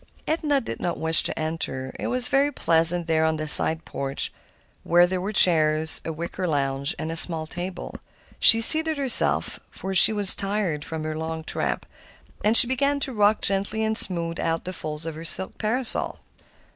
Edna did not wish to enter. It was very pleasant there on the side porch, where there were chairs, a wicker lounge, and a small table. She seated herself, for she was tired from her long tramp; and she began to rock gently and smooth out the folds of her silk parasol.